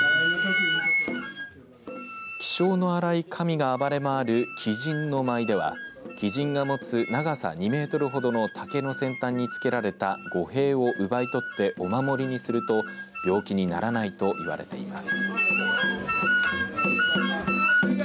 気性の荒い神が暴れまわる鬼神の舞では鬼神が持つ長さ２メートルほどの竹の先端につけられた御幣を奪い取ってお守りにすると病気にならないと言われています。